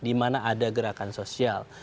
dimana ada gerakan sosial